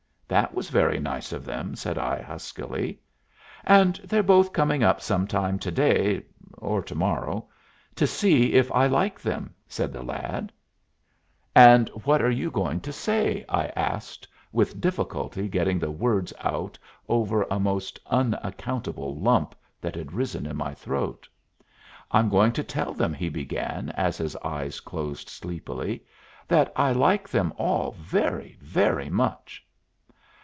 "That was very nice of them," said I huskily. "And they're both coming up some time to day or to morrow to see if I like them," said the lad. "And what are you going to say?" I asked, with difficulty getting the words out over a most unaccountable lump that had arisen in my throat. "I'm going to tell them," he began, as his eyes closed sleepily, "that I like them all very, very much."